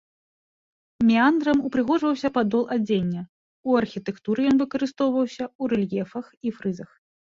Меандрам упрыгожваўся падол адзення, у архітэктуры ён выкарыстоўваўся ў рэльефах і фрызах.